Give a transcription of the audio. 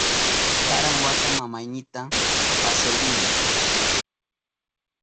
Karan wata mamaynita pasyak rini.